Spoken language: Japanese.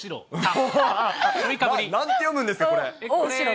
なんて読むんですか、これ。